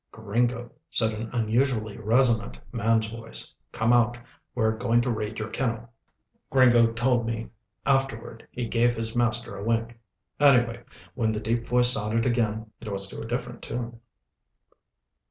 "Gringo," said an unusually resonant man's voice, "come out. We're going to raid your kennel." Gringo told me afterward he gave his master a wink. Anyway, when the deep voice sounded again, it was to a different tune.